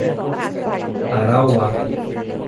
Arauá